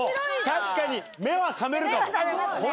確かに、目は冷めるかも。